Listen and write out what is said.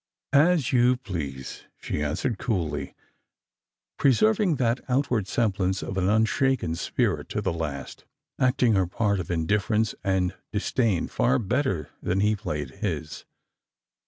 " As you please," she answered coolly, preserving that out ward semblance of an unshaken spirit to the last, acting her Eart of indifference and disdain far better than he played his.